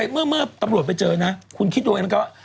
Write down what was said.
เมื่อตำรวจไปเจอนะคุณคิดดูเองแล้วก็